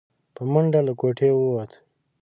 په منډه له کوټې ووت.